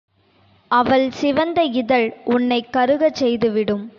அவள் சிவந்த இதழ் உன்னைக் கருகச் செய்துவிடும்.